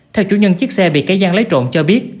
theo chủ nhân chiếc xe bị cái gian lấy trộn cho biết